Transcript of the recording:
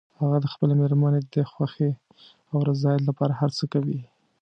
هغه د خپلې مېرمنې د خوښې او رضایت لپاره هر څه کوي